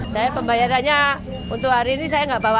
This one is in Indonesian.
saya pembayarannya untuk hari ini saya tidak bawa alat